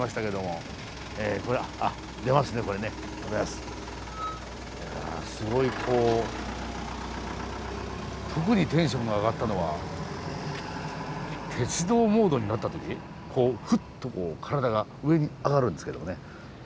いやすごいこう特にテンションが上がったのは鉄道モードになった時こうふっと体が上に上がるんですけどもね。